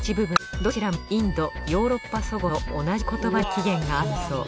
どちらもインド・ヨーロッパ祖語の同じ言葉に起源があるんだそう。